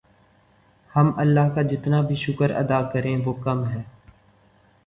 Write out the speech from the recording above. ہم اللہ کا جتنا بھی شکر ادا کریں وہ کم ہے